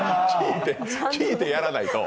聴いてやらないと。